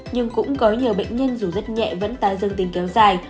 nhưng cũng có nhiều bệnh nhân dù rất nhẹ vẫn tái dương tính kéo dài